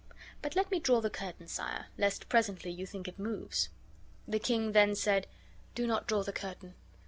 But let me draw the curtain, sire, lest presently you think it moves." The king then said: "Do not draw the curtain.